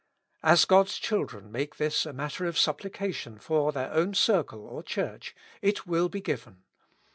As God's children make this a matter of supplication for their own circle or Church, it will be given.